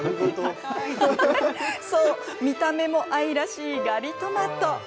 そう、見た目も愛らしいガリトマト。